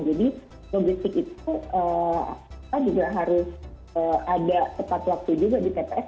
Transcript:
jadi logistik itu juga harus ada tepat waktu juga di tps